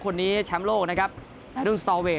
คนนี้แชมป์โลกนะครับในรุ่นสตอเวท